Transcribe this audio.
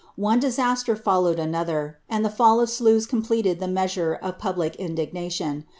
One disaster followed another, and the fall of Sluys completed the measure of public indignation.